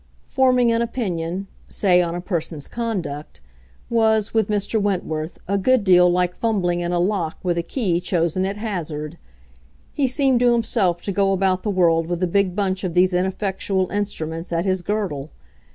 Forming an opinion—say on a person's conduct—was, with Mr. Wentworth, a good deal like fumbling in a lock with a key chosen at hazard. He seemed to himself to go about the world with a big bunch of these ineffectual instruments at his girdle.